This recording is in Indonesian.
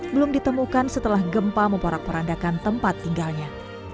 belum ditemukan setelah gempa memporak porandakan tempat tinggalnya